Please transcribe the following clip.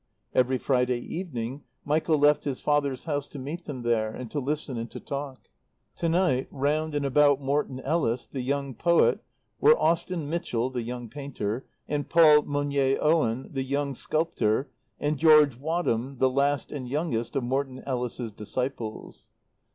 Every Friday evening Michael left his father's house to meet them there, and to listen and to talk. To night, round and about Morton Ellis, the young poet, were Austen Mitchell, the young painter, and Paul Monier Owen, the young sculptor, and George Wadham, the last and youngest of Morton Ellis's disciples.